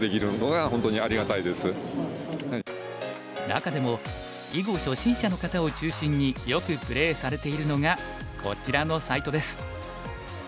中でも囲碁初心者の方を中心によくプレイされているのがこちらのサイトです。